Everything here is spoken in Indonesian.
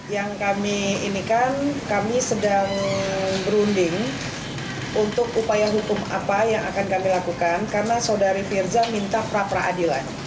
yang kami inikan kami sedang berunding untuk upaya hukum apa yang akan kami lakukan karena saudari firza minta pra peradilan